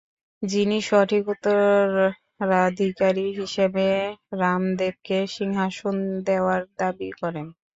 যিনি সঠিক উত্তরাধিকারী হিসেবে রাম দেবকে সিংহাসন দেয়ার দাবি করেন।